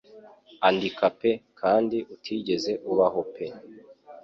Andika pe kandi utigeze ubaho pe